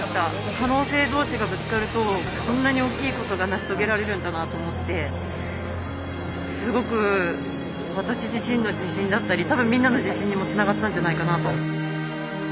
可能性同士がぶつかるとこんなに大きいことが成し遂げられるんだなと思ってすごく私自身の自信だったり多分みんなの自信にもつながったんじゃないかなと。